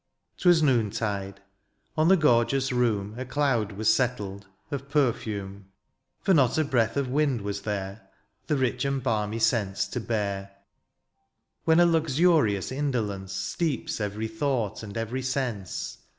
Twas noontide ; on the gorgeous room A cloud was settled, of perfume ; For not a breath of wind was there. The rich and balmy scents to bear ;— Wlien a luxurious indolence Steeps every thought and every sense.